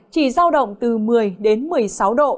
chỉ giao động từ một mươi đến một mươi sáu độ